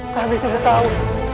kami tidak tahu